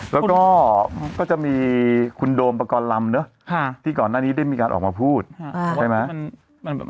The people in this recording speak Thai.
แล้วก็ก็จะมีคุณโดมประกอบลำที่ก่อนหน้านี้ได้มีการออกมาพูดใช่ไหม